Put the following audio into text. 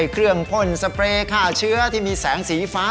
เครื่องพ่นสเปรย์ฆ่าเชื้อที่มีแสงสีฟ้า